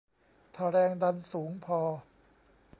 ถ้าแรงดันสูงพอ